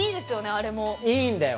あれもいいんだよ